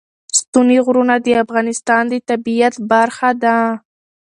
ستوني غرونه د افغانستان د طبیعت برخه ده.